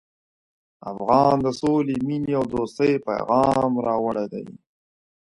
افغان د سولې، مینې او دوستۍ پیغام راوړی دی.